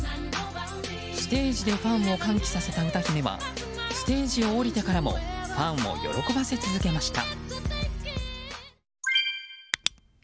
ステージでファンを歓喜させた歌姫はステージを降りてからもファンを喜ばせ続けました。